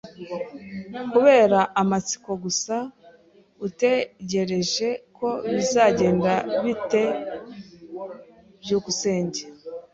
Kubera amatsiko gusa, utegereje ko bizagenda bite? byukusenge